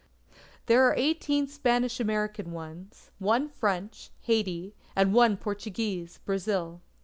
There are eighteen Spanish American ones; one French, Haiti; and one Portuguese, Brazil.